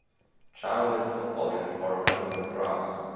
Child in football uniform running on grass.